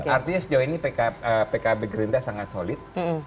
artinya sejauh ini pkb gerindra sangat solid